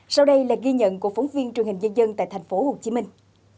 sau đây là ghi nhận của phóng viên truyền hình dân dân tại thành phố hồ chí minh